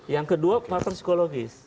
yang kedua partai psikologis